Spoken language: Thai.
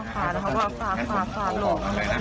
มันก็ปะรงฟานปะรงฟานหน่มไป